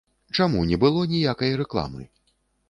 Чаму не было ніякай рэкламы?